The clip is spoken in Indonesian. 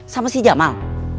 sama si jamal